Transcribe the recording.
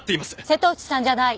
瀬戸内さんじゃない。